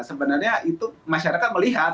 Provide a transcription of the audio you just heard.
sebenarnya itu masyarakat melihat